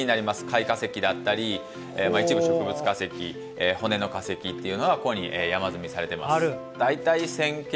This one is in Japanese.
貝化石だったり一部植物化石骨の化石というのはここに山積みされてます。